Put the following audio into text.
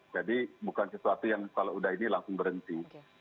jadi bukan sesuatu yang kalau sudah ini langsung berhenti